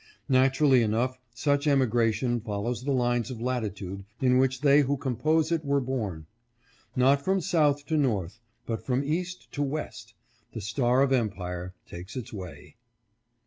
Naturally enough such emigration follows the lines of latitude in which they who compose it were born. Not from South to North, but from East to West ' the Star of Empire takes its way.'